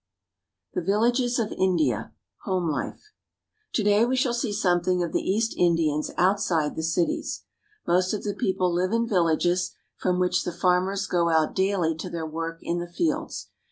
THE VILLAGES OF INDIA. HOME LIFE TO DAY we shall see something of the East Indians outside the cities. Most of the people live in vil lages, from which the farmers go out daily to their work in the fields.